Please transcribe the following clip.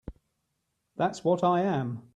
That's what I am.